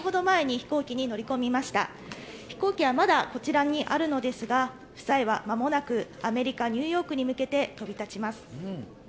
飛行機はまだこちらにあるのですが、夫妻はまもなく、アメリカ・ニューヨークに向けて飛び立ちます。